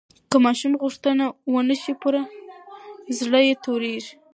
که ماشوم غوښتنه ونه شي پوره، زړه یې تورېږي.